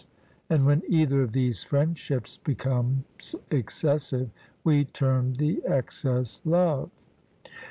And when either of these friendships becomes excessive, we term the excess love.